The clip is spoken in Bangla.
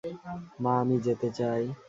মা, আমি যেতে চাই।